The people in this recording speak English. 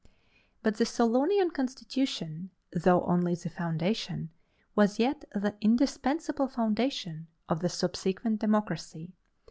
But the Solonian constitution, though only the foundation, was yet the indispensable foundation, of the subsequent democracy.